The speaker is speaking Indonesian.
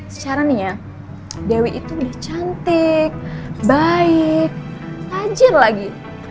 secara nih ya dewi itu cantik baik rajin lagi